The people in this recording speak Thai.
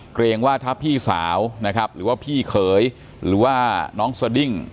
เกรงว่าถ้าพี่สาวนะครับหรือว่าพี่เขยหรือว่าน้องสดิ้ง